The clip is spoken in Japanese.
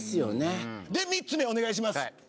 ３つ目、お願いします。